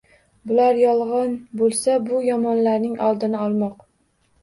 Bular yolg'on bo'lsa, bu yomonlarning oldini olmoq